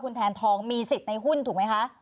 คุณแทนทองมีสิทธิ์ในหุ้นถูกไหมคะ